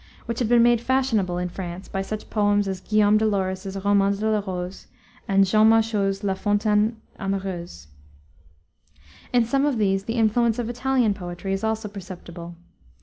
which had been made fashionable in France by such poems as Guillaume de Lorris's Roman de la Rose, and Jean Machault's La Fontaine Amoureuse. In some of these the influence of Italian poetry is also perceptible.